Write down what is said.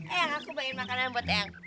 eyang aku beliin makanan buat eyang